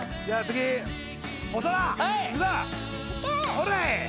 ほれ！